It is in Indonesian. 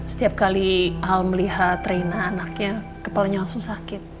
setiap kali al melihat reina anaknya kepalanya langsung sakit